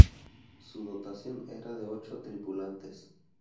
Su dotación era de ocho tripulantes.